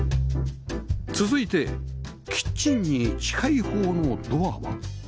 続いてキッチンに近い方のドアは